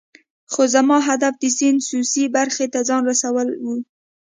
خو زما هدف د سیند سویسی برخې ته ځان رسول وو.